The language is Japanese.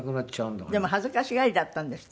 でも恥ずかしがりだったんですって？